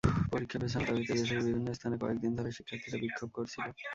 পরীক্ষা পেছানোর দাবিতে দেশের বিভিন্ন স্থানে কয়েক দিন ধরে শিক্ষার্থীরা বিক্ষোভ করছিল।